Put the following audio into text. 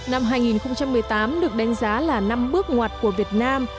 năm hai nghìn một mươi tám được đánh giá là năm bước ngoặt của việt nam